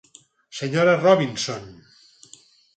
Senyora Robinson.